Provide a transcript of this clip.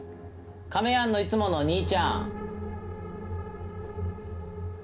「亀やん」のいつものお兄ちゃん。